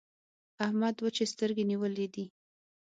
احمد وچې سترګې نيولې دي.